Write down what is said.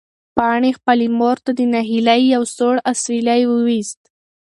پاڼې خپلې مور ته د ناهیلۍ یو سوړ اسوېلی وویست.